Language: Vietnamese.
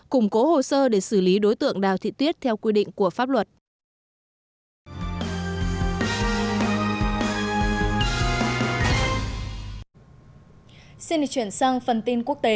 củng cố hồ sơ để xử lý đối tượng đào thị tuyết theo quy định của pháp luật